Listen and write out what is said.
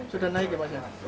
sudah naik ya pak